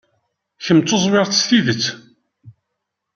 Kemm d tuẓwirt s tidet.